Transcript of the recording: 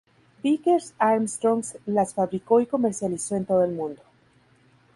Vickers-Armstrongs las fabricó y comercializó en todo el mundo.